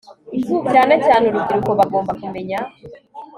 cyane cyane urubyiruko bagomba kumenya